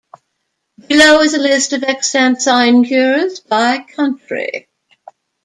Below is a list of extant sinecures by Country.